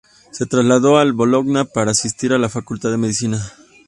Se trasladó a Bologna para asistir a la facultad de Medicina.